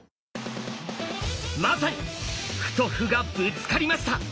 まさに歩と歩がぶつかりました！